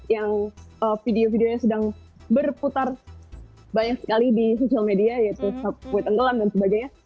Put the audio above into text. yang video video nya sedang berputar banyak sekali di sosial media yaitu web enggelam dan sebagainya